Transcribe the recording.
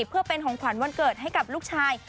เพื่อเป็นของขวัญวันเกิดให้กับลูกชาย